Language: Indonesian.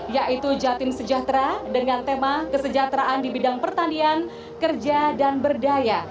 yaitu jatim sejahtera dengan tema kesejahteraan di bidang pertanian kerja dan berdaya